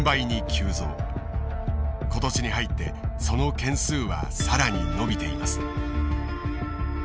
今年に入ってその件数は更に伸びています。